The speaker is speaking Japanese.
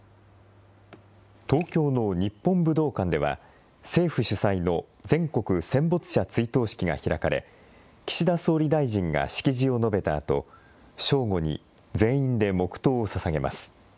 東京の日本武道館では政府主催の全国戦没者追悼式が開かれ岸田総理大臣が式辞を述べたあと正午に全員で黙とうをささげます。